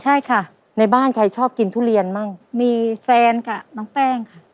ใช่ค่ะในบ้านใครชอบกินทุเรียนมั่งมีแฟนกับน้องแป้งค่ะ